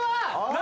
何